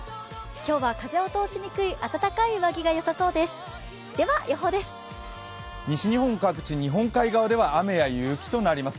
今日は風を通しにくい温かい上着がよさそうです。